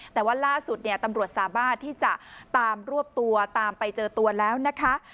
แต่ว่าล่าสุดเนี่ยตำรวจสามารถที่จะตามรวบตัวตามไปเจอตัวแล้วนะคะ